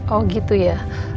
oh gitu ya